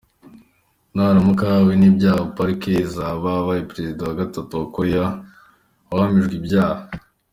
Naramuka ahamwe n’ibyaha, Park azaba abaye Perezida wa Gatatu wa Koreya uhamijwe ibyaha.